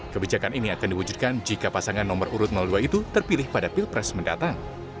kebijakan ini akan diwujudkan jika pasangan nomor urut dua itu terpilih pada pilpres mendatang